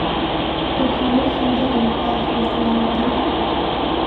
The crew flew the aircraft with throttle only.